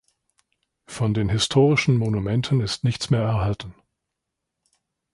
Von den historischen Monumenten ist nichts mehr erhalten.